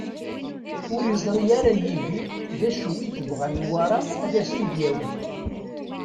Ur yeẓri ara Yidir d acu i tebɣa Newwara ad as-t-id-yawi.